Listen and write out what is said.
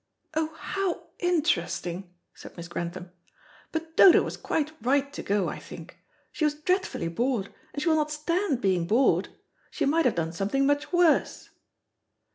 "Oh, how interesting," said Miss Grantham. "But Dodo was quite right to go, I think. She was dreadfully bored, and she will not stand being bored. She might have done something much worse."